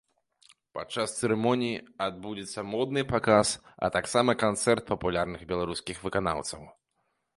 Падчас цырымоніі адбудзецца модны паказ, а таксама канцэрт папулярных беларускіх выканаўцаў.